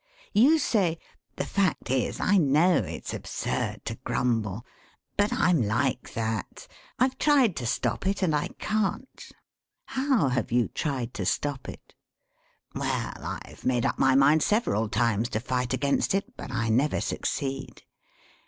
You say: 'The fact is, I know it's absurd to grumble. But I'm like that. I've tried to stop it, and I can't!' How have you tried to stop it? 'Well, I've made up my mind several times to fight against it, but I never succeed.